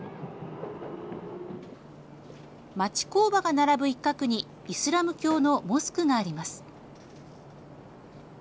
町工場が並ぶ一角にイスラム教のモスクがあります。